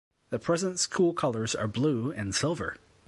The present school colors are blue and silver.